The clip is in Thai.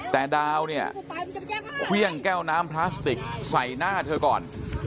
แต่ดาวเนี่ยเครื่องแก้วน้ำพลาสติกใส่หน้าเธอก่อน